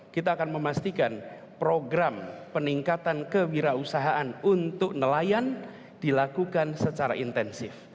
kita akan memastikan program peningkatan kewirausahaan untuk nelayan dilakukan secara intensif